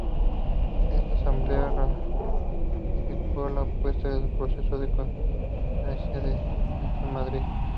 Esta asamblea ratificó la apuesta por el proceso de convergencia de Ganemos Madrid.